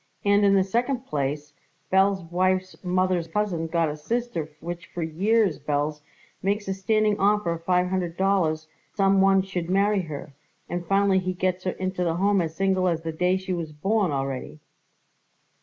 And, in the second place, Belz's wife's mother's a cousin got a sister which for years, Belz, makes a standing offer of five hundred dollars some one should marry her, and finally he gets her into the Home as single as the day she was born already."